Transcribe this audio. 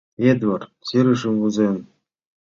Эдвард серышым возен.